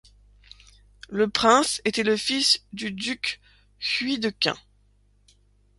Le prince était le fils du duc Hui de Qin.